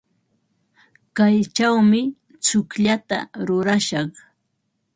Kaychawmi tsukllata rurashaq.